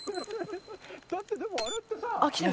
だってでもあれってさ。